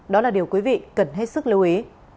đó là điều quý vị cần hết sức lưu ý